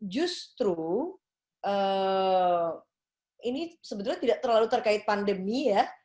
justru ini sebetulnya tidak terlalu terkait pandemi ya